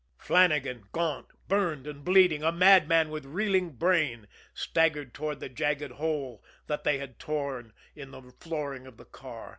Flannagan, gaunt, burned and bleeding, a madman with reeling brain, staggered toward the jagged hole that they had torn in the flooring of the car.